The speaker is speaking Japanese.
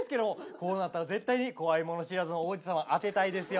こうなったら絶対に怖いもの知らずの王子さま当てたいですよ。